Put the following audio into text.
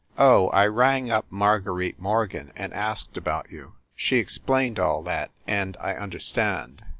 "Oh, I rang up Marguerite Mor gan and asked about you. She explained all that, and I understand.